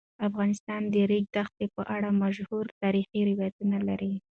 افغانستان د د ریګ دښتې په اړه مشهور تاریخی روایتونه لري.